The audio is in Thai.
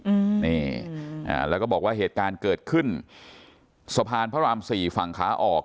อืมนี่อ่าแล้วก็บอกว่าเหตุการณ์เกิดขึ้นสะพานพระรามสี่ฝั่งขาออก